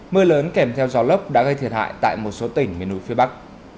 mưa lớn kèm theo gió lốc đã gây thiệt hại tại một số tỉnh miền núi phía bắc